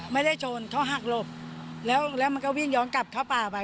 ไม่ได้ชนเขาหักหลบแล้วแล้วมันก็วิ่งย้อนกลับเข้าป่าไป